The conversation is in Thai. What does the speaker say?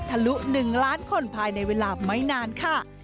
ลุ๑ล้านคนภายในเวลาไม่นานค่ะ